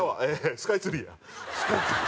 スカイツリーや。